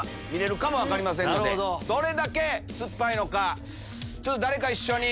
どれだけ酸っぱいのか。